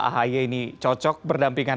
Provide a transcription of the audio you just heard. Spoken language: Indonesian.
ahy ini cocok berdampingan